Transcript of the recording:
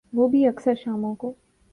وہ بھی اکثر شاموں کو۔